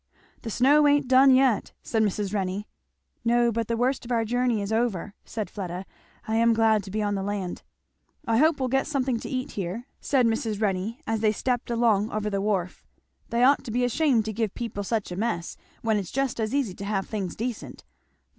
"The snow ain't done yet," said Mrs. Renney. "No, but the worst of our journey is over," said Fleda. "I am glad to be on the land." "I hope we'll get something to eat here," said Mrs. Renney as they stepped along over the wharf. "They ought to be ashamed to give people such a mess, when it's just as easy to have things decent.